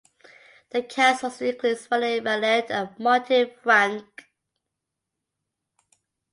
The cast also includes Fanny Mallette and Martine Francke.